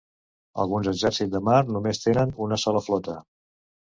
Alguns exèrcits de mar només tenen una sola flota.